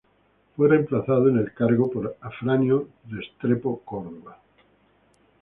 Fue reemplazado en el cargo por Afranio Restrepo Cordova.